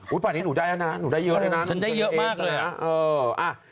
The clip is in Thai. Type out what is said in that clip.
ป่านนี้หนูได้แล้วนะหนูได้เยอะเลยนะฉันได้เยอะมากเลยนะ